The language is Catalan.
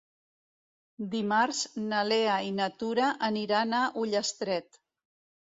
Dimarts na Lea i na Tura aniran a Ullastret.